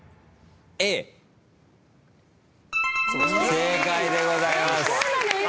正解でございます。